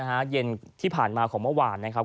เพิ่มทุกวันเย็นที่ผ่านมาของเมื่อวานนะครับ